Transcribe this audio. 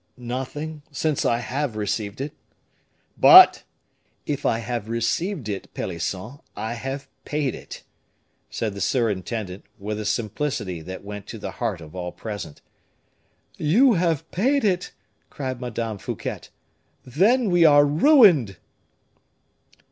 "Nothing, since I have received it." "But " "If I have received it, Pelisson, I have paid it," said the surintendant, with a simplicity that went to the heart of all present. "You have paid it!" cried Madame Fouquet. "Then we are ruined!"